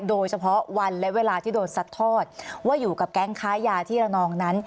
โดยเฉพาะวันและเวลาที่โดนซัดทอดว่าอยู่กับแก๊งค้ายาที่ระนองนั้น